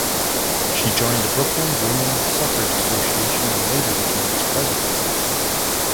She joined the Brooklyn Woman Suffrage Association and later became its president.